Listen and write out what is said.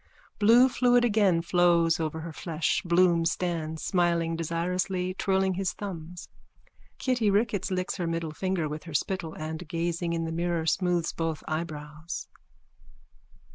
Blue fluid again flows over her flesh. Bloom stands, smiling desirously, twirling his thumbs. Kitty Ricketts licks her middle finger with her spittle and, gazing in the mirror, smooths both eyebrows.